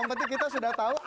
yang penting kita sudah tahu